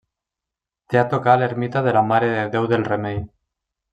Té a tocar l'ermita de la Mare de Déu del Remei.